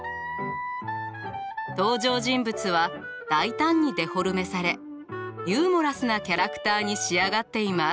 登場人物は大胆にデフォルメされユーモラスなキャラクターに仕上がっています。